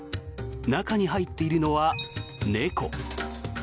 中に入っているのは、猫。